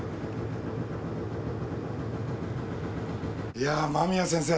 いやぁ間宮先生